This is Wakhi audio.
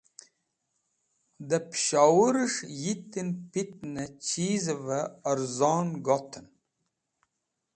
De Peshowures̃h Yitn pitne Chizive Arzon Goten